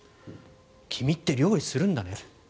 君って料理するんだね。